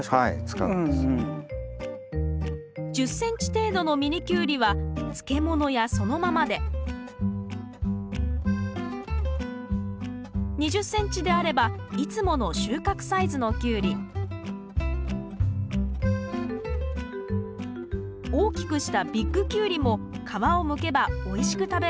１０ｃｍ程度のミニキュウリは漬物やそのままで２０ｃｍであればいつもの収穫サイズのキュウリ大きくしたビッグキュウリも皮をむけばおいしく食べられるんです。